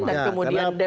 dan kemudian dpr